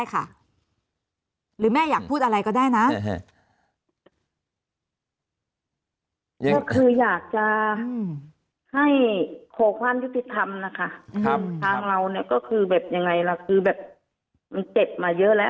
ก็คือแบบอย่างไงล่ะมันเจ็บมาเยอะแล้ว